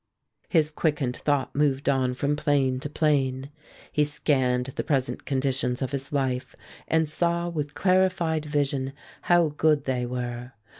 His quickened thought moved on from plane to plane. He scanned the present conditions of his life, and saw with clarified vision how good they were.